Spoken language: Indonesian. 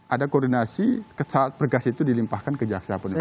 ada koordinasi saat berkas itu dilimpahkan ke jaksa penuntut